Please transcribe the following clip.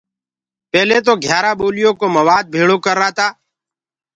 پيلي تو گھيٚيآرآ ٻوليو ڪو موآد ڀيݪو ڪرتآ۔